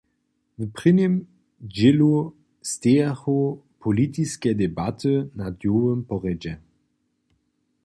W prěnim dźělu stejachu politiske debaty na dnjowym porjedźe.